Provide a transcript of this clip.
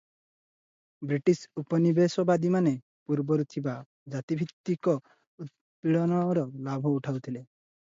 British ଉପନିବେଶବାଦୀମାନେ ପୂର୍ବରୁ ଥିବା ଜାତିଭିତ୍ତିକ ଉତ୍ପୀଡ଼ନର ଲାଭ ଉଠାଇଥିଲେ ।